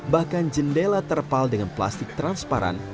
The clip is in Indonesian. bahkan jendela terpal dengan plastik transparan